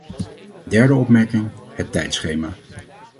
Derde opmerking: het tijdschema.